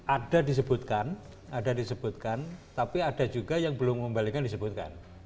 ada disebutkan ada disebutkan tapi ada juga yang belum membalikan disebutkan